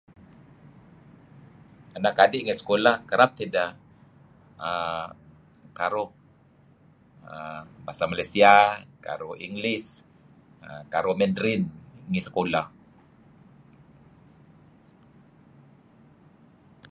Anak adi' ngi sekulah kereb tideh err karuh err Bahasa Malaysia karuh Englis err karuh Mandarin ngi sekulah.